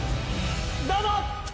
どうぞ！